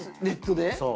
ネットで？